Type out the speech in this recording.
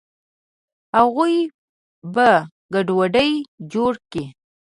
اغوئ به ګډوډي جوړه کي.